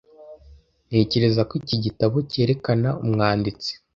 Ntekereza ko iki gitabo cyerekana umwanditsi